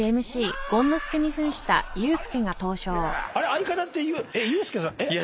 相方ってユースケさんえっ？